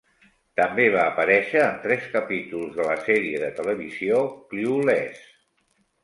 També va aparèixer en tres capítols de la sèrie de televisió "Clueless".